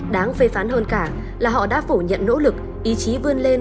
đáng phê phán hơn cả là họ đã phủ nhận nỗ lực ý chí vươn lên